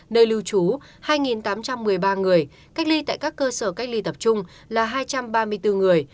nơi lưu trú hai tám trăm một mươi ba người cách ly tại các cơ sở cách ly tập trung là hai trăm ba mươi bốn người